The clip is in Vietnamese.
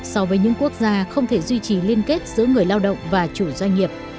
so với những quốc gia không thể duy trì liên kết giữa người lao động và chủ doanh nghiệp